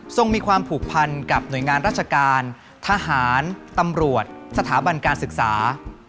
มีความผูกพันกับหน่วยงานราชการทหารตำรวจสถาบันการศึกษา